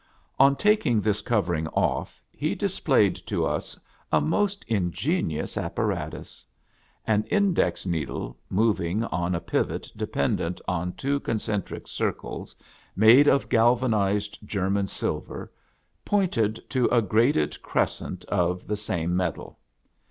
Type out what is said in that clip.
On taking this covering off, he dis played to us a most ingenious apparatus. An index needle, moving on a pivot dependent on two con centric circles made of galvanized German silver, pointed to a graded crescent of the same metal.